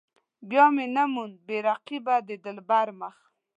بیا مې نه موند بې رقيبه د دلبر مخ.